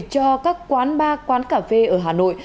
cho các quán bar quán cà phê ở hà nội